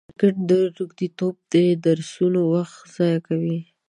د کرکټ روږديتوب د درسونو وخت ضايع کوي.